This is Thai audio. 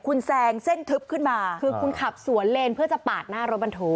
คุณแซงเส้นทึบขึ้นมาคือคุณขับสวนเลนเพื่อจะปาดหน้ารถบรรทุก